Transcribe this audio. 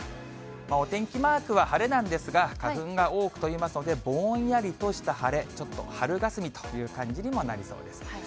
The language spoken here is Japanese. お天気マークは晴れなんですが、花粉が多く飛びますので、ぼんやりとした晴れ、ちょっと春がすみという感じにもなりそうです。